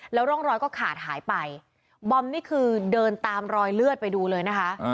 ร่องรอยก็ขาดหายไปบอมนี่คือเดินตามรอยเลือดไปดูเลยนะคะ